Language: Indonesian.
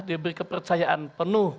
diberi kepercayaan penuh